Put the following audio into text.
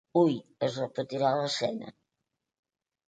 Hui es repetirà l’escena.